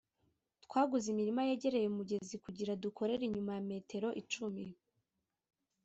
twaguze imirima yegereye umugezi kugira dukorere inyuma ya metero icumi